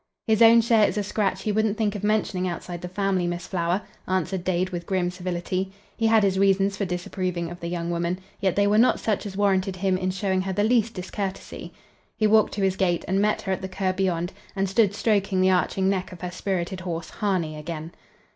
"His own share is a scratch he wouldn't think of mentioning outside the family, Miss Flower," answered Dade, with grim civility. He had his reasons for disapproving of the young woman; yet they were not such as warranted him in showing her the least discourtesy. He walked to his gate and met her at the curb beyond and stood stroking the arching neck of her spirited horse "Harney" again.